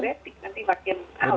berdikkat diuretik nanti makin